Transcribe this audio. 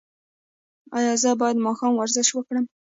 ایا زه باید ماښام ورزش وکړم؟